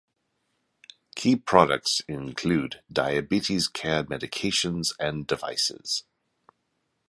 Key products include diabetes care medications and devices.